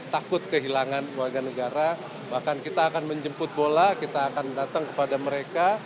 takut kehilangan warga negara bahkan kita akan menjemput bola kita akan datang kepada mereka